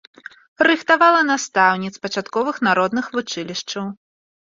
Рыхтавала настаўніц пачатковых народных вучылішчаў.